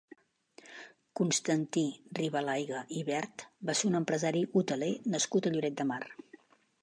Constantí Ribalaiga i Vert va ser un empresari hoteler nascut a Lloret de Mar.